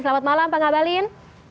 selamat malam pak ngabalin